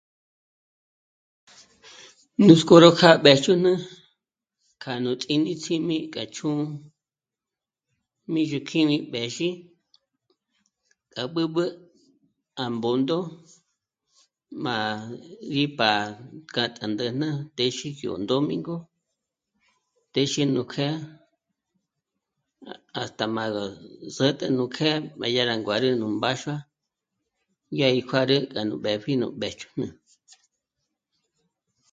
Nuts'k'ó ró kjâ'a mbéjchjún'ü k'a nú tǐ'i ní sím'i k'a chjū́'ū mízhokjími b'ézhi k'a b'ǚb'ü à Bṓndo má rí pá'a k'a tándä̂jnä téxe yó dómingo téxe nú kjǚ'a, hasta má gá sä̌t'ä nú kjë̀'ë má dyà rá nguârü nú mbáxua, yá í kjuârü ndá nú b'ë́pji nú mbéjchjún'ü